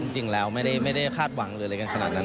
จริงแล้วไม่ได้คาดหวังไม่ได้ซัดขนาดนั้น